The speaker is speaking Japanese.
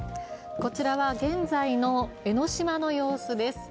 こちらは現在の江の島の様子です。